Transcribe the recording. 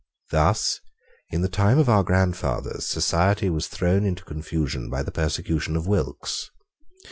Thus, in the time of our grandfathers, society was thrown into confusion by the persecution of Wilkes.